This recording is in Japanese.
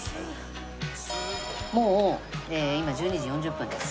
もう今１２時４０分です。